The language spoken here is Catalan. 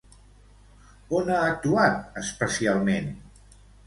On ha actuat, especialment?